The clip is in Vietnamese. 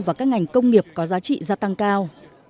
và các ngành công nghiệp có giá trị gia tăng cao